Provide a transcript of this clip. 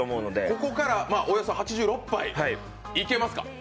ここから、およそ８６杯。いけますか？